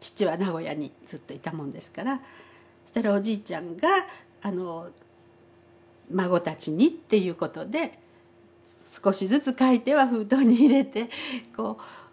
父は名古屋にずっといたもんですからそしたらおじいちゃんが孫たちにっていうことで少しずつ書いては封筒に入れてこう送ってきて。